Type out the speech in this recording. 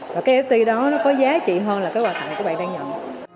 và cái nft đó nó có giá trị hơn là cái quà tặng các bạn đang nhận